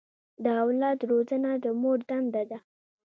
د اولاد روزنه د مور دنده ده.